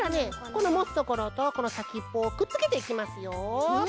このもつところとこのさきっぽをくっつけていきますよ。